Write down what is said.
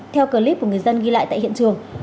theo clip của người dân ghi lại tại hiện trường